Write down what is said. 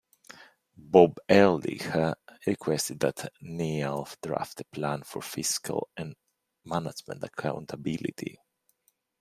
Bob Ehrlich requested that Neall draft a plan for fiscal and management accountability.